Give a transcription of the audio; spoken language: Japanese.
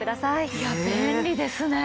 いや便利ですね。